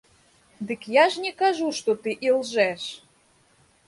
Дык я ж не кажу, што ты ілжэш!